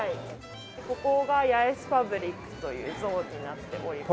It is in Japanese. ここがヤエスパブリックというゾーンになっております。